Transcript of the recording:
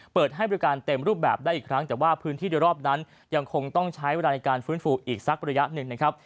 เปิดให้บริการเต็มรูปแบบได้อีกครั้งแต่ว่าพื้นที่โดยรอบนั้นยังคงต้องใช้เวลาในการฟื้นฟูอีกสักระยะหนึ่งนะครับ